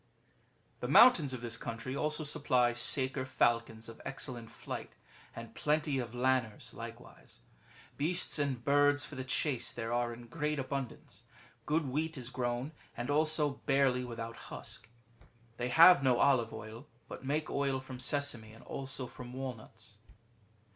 "^] The mountains of this country also supply Saker falcons of excellent flight, and plenty of Lanners like wise. Beasts and birds for the chase there are in great abundance. Good wheat is grown, and also barley with out husk. They have no olive oil, but make oil from sesame, and also from walnuts.